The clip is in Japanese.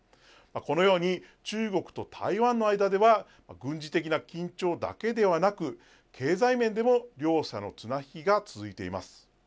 このように中国と台湾の間では軍事的な緊張だけではなく経済面でも両者の綱引きが続いています。